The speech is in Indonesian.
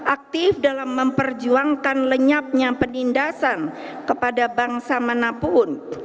aktif dalam memperjuangkan lenyapnya penindasan kepada bangsa manapun